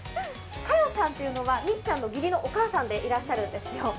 カヨさんというのは、みっちゃんの義理のお母さんでいらっしゃるんですよ。